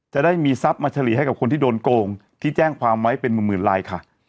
จะได้มีทรัพย์มาเฉลี่ยให้กับคนที่โดนโกงที่แจ้งความไว้เป็นหมื่นลายค่ะ